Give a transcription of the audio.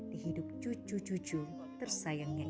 di hidup cucu cucu tersayangnya ini